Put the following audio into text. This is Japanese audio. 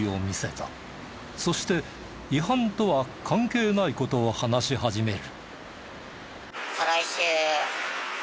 そして違反とは関係ない事を話し始める。